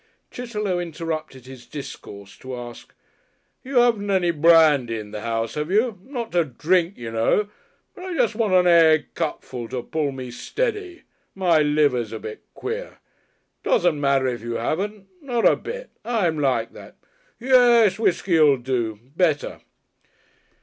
Chitterlow interrupted his discourse to ask, "You haven't any brandy in the house, have you? Not to drink, you know. But I want just an eggcupful to pull me steady. My liver's a bit queer.... It doesn't matter, if you haven't. Not a bit. I'm like that. Yes, whiskey'll do. Better!"